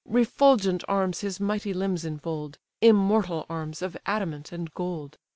Refulgent arms his mighty limbs infold, Immortal arms of adamant and gold.